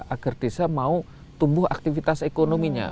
agar desa mau tumbuh aktivitas ekonominya